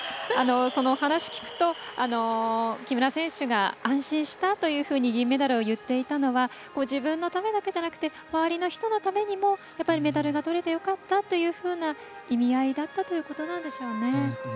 話、聞くと、木村選手が安心したと銀メダルを言っていたのは自分のためだけじゃなくて周りの人々のためにもやっぱりメダルがとれてよかったかなというふうな意味合いだったんですね。